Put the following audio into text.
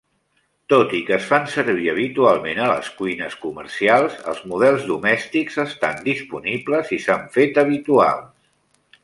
Tot i que es fan servir habitualment a les cuines comercials, els models domèstics estan disponibles i s'han fet habituals.